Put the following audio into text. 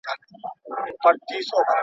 خو په جوغ پوري تړلی وو، بوده وو